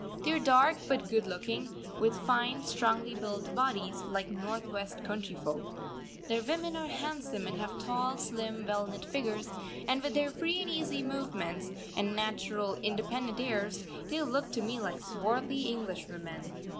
They are dark but good looking, with fine, strongly built bodies, like north west country folk. Their women are handsome, and have tall, slim, well knit figures; and with their free and easy movements, and natural independent airs, they look to me like swarthy Englishwomen.